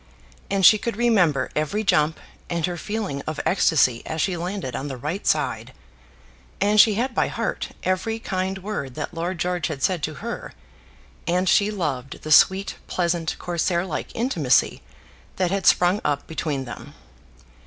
And she could remember every jump, and her feeling of ecstasy as she landed on the right side. And she had by heart every kind word that Lord George had said to her, and she loved the sweet, pleasant, Corsair like intimacy that had sprung up between them.